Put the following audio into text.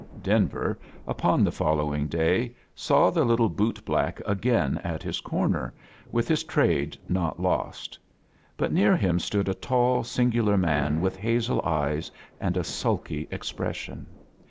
Denver, upon the following day, saw the little bootblack again at his corner, with his trade not lost; but near him stood a tall, singular man, with hazel eyes and a sulky expression.